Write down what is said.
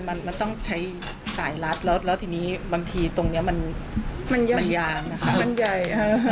มันต้องใช้สายรัดแล้วทีนี้บางทีตรงนี้มันยางมันใหญ่